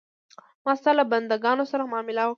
ما ستا له بندګانو سره معامله وکړه.